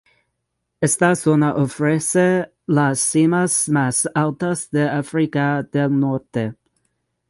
Esta zona ofrece las cimas más altas de África del Norte.